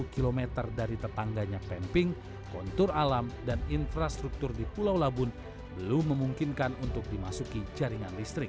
dua puluh km dari tetangganya pemping kontur alam dan infrastruktur di pulau labun belum memungkinkan untuk dimasuki jaringan listrik